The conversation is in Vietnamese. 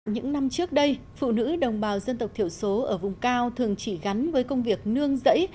những năm trước đây phụ nữ đồng bào dân tộc thiểu số ở vùng cao thường chỉ gắn với công việc nương dẫy